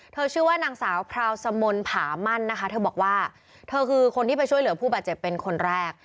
ชื่อว่านางสาวพราวสมนต์ผามั่นนะคะเธอบอกว่าเธอคือคนที่ไปช่วยเหลือผู้บาดเจ็บเป็นคนแรก